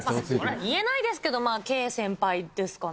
言えないですけど、Ｋ先輩ですかね。